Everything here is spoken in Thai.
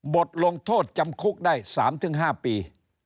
บทลงโทษจำคุกได้๓๕ปี